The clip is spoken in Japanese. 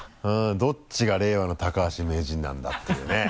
どっちが令和の高橋名人なんだっていうね。